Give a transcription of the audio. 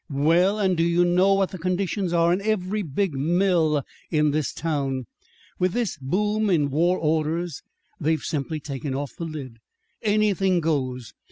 Well, and do you know what the conditions are in every big mill in this town? With this boom in war orders, they've simply taken off the lid. Anything goes.